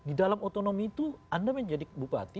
di dalam otonomi itu anda menjadi bupati